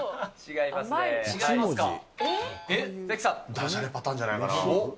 だじゃれパターンじゃないかな。